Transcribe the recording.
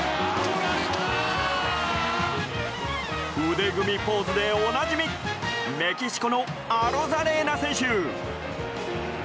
腕組みポーズでおなじみメキシコのアロザレーナ選手。